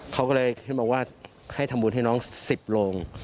เขาก็เลยขึ้นมาว่าให้ทำบุญให้น้อง๑๐โรง